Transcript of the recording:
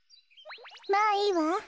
まあいいわ。